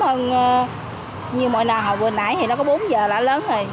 hơn như mỗi năm hồi vừa nãy thì nó có bốn giờ đã lớn rồi